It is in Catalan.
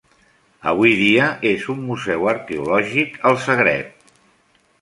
Avui dia és un museu arqueològic al Zagreb.